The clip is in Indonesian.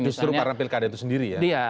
justru karena pilkada itu sendiri ya